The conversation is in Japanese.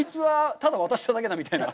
ただ渡しただけだみたいな。